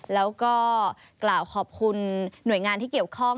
แล้วก็กล่าวขอบคุณหน่วยงานที่เกี่ยวข้อง